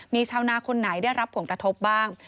มีชาวนาคนไหนได้รับผลกระทบบ้าง